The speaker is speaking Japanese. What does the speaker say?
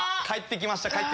帰って来ました。